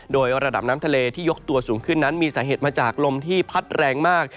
โดยระดับน้ำทะเลที่ยกตัวสูงขึ้นนั้นมีสาเหตุมาจากลมที่พัดแรงมาก